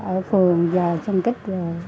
ở phường và xung kích